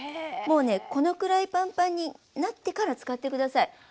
もうねこのくらいパンパンになってから使って下さい。